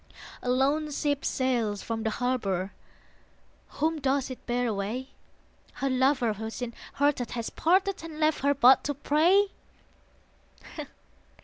A lone ship sails from the harbour: Whom does it bear away? Her lover who sin hearted has parted And left her but to pray?